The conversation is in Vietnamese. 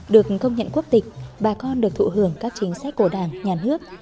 được công nhận quốc tịch bà con được thụ hưởng các chính sách của đảng nhà nước